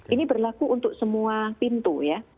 ini berlaku untuk semua pintu ya